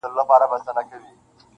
مِکروب د جهالت مو له وجود وتلی نه دی.